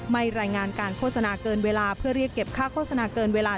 รายงานการโฆษณาเกินเวลาเพื่อเรียกเก็บค่าโฆษณาเกินเวลา